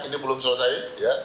ini belum selesai